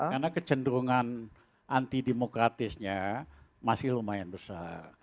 karena kecenderungan anti demokratisnya masih lumayan besar